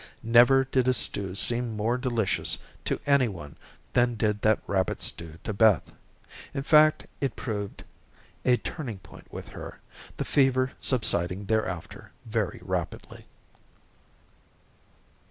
Never did a stew seem more delicious to any one than did that rabbit stew to Beth. In fact, it proved a turning point with her, the fever subsiding thereafter very rapidly.